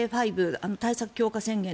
５対策強化宣言